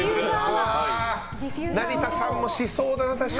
成田さんもしそうだな。